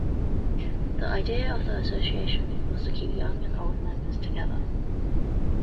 The idea of the association was to keep young and old members together.